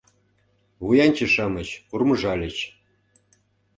— вуянче-шамыч урмыжальыч.